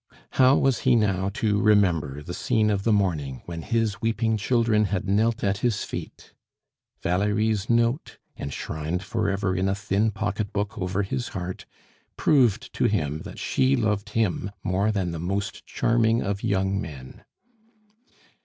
How was he now to remember the scene of the morning when his weeping children had knelt at his feet? Valerie's note, enshrined for ever in a thin pocket book over his heart, proved to him that she loved him more than the most charming of young men.